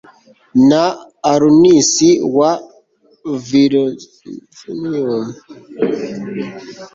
Na Aruns wa Volsinium